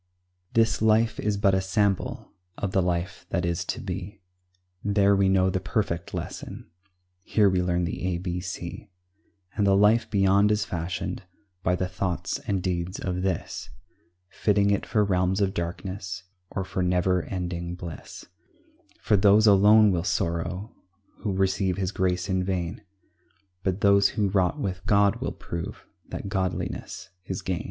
This life is but a sample Of the life that is to be; There we know the perfect lesson, Here we learn the a b c; And the life beyond is fashioned By the thoughts and deeds of this; Fitting it for realms of darkness, Or for never ending bliss; For those alone will sorrow Who receive His grace in vain, But those who wrought with God will prove That godliness is gain.